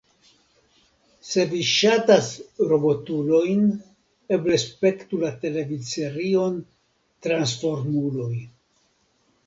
Se vi ŝatas robotulojn, eble spektu la televidserion Transformuloj.